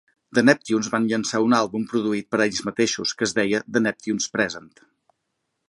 The Neptunes van llançar un àlbum produït per ells mateixos que es deia "The Neptunes Present...".